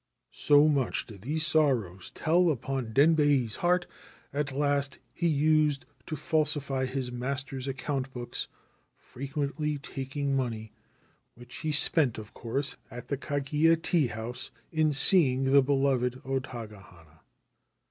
' So much did these sorrows tell upon Denbei's heart at last, he used to falsify his master's account books, frequently taking money, which he spent, of course, at the Kagiya teahouse in seeing the beloved O Taga hana.